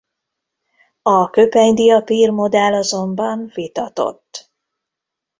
A köpenydiapír-modell azonban vitatott.